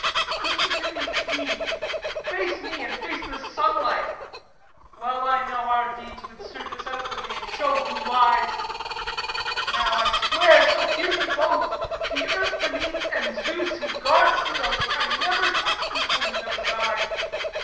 Could she hear me plead, Face me and face the sunlight; well I know, Our deeds would search us out for thee, and show Who lies! But now, I swear so hear me both, The Earth beneath and Zeus who Guards the Oath I never touched this woman that was thine!